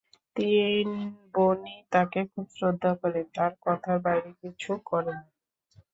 তিন বোনই তাঁকে খুব শ্রদ্ধা করে, তাঁর কথার বাইরে কিছু করে না।